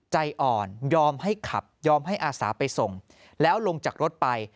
ใจอ่อนยอมให้ขับยอมให้อาสาไปส่งแล้วลงจากรถไป